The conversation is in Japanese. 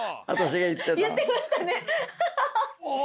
言ってましたねハハハ！